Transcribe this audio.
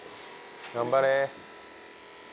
頑張れ。